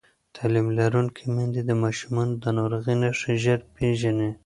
تعلیم لرونکې میندې د ماشومانو د ناروغۍ نښې ژر پېژني